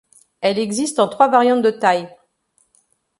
Elle existe en trois variantes de taille.